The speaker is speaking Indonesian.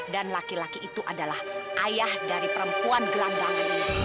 dan laki laki itu adalah ayah dari perempuan gelandang